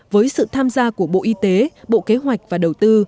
với sự tham gia của bộ y tế bộ kế hoạch và đầu tư